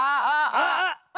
あっ！